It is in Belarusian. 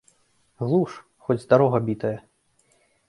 Глуш, хоць дарога бітая.